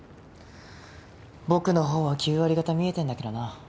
僕のほうは９割方見えてんだけどな。